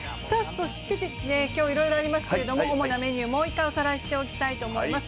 そして、今日いろいろありますけれども、主なメニューおさらいしておきたいと思います。